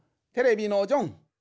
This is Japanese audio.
テレビのジョン。